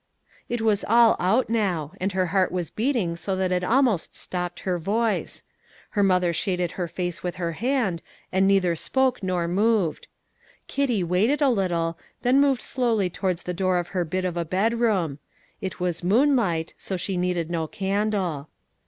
It was all out now, and her heart was beating so that it almost stopped her voice. Her mother shaded her face with her hand, and neither spoke nor moved. Kitty waited a little, then moved slowly towards the door of her bit of a bedroom; it was moonlight, so she needed no candle.